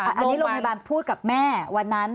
อันนี้โรงพยาบาลพูดกับแม่วันนั้น